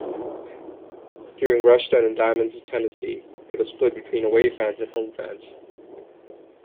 During Rushden and Diamonds' tenancy it was split between away fans and home fans.